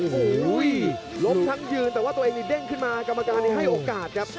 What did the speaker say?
โอ้โหล้มทั้งยืนแต่ว่าตัวเองนี่เด้งขึ้นมากรรมการนี้ให้โอกาสครับ